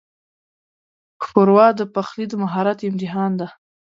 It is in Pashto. ښوروا د پخلي د مهارت امتحان ده.